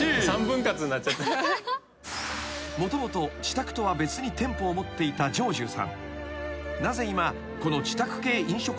［もともと自宅とは別に店舗を持っていた上重さん］